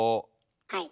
はい。